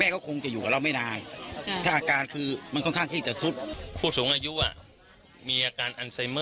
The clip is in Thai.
ก็คนพระอีสานยังเชื่อว่า